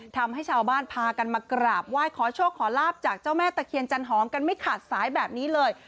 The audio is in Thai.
ทำให้ชาวบ้านพากันมากราบไหว้ขอโชคขอลาบจากเจ้าแม่ตะเคียนจันหอมกันไม่ขาดสายแบบนี้เลย